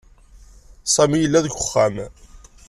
Sami yella deg uxxam.